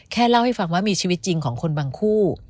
เล่าให้ฟังว่ามีชีวิตจริงของคนบางคู่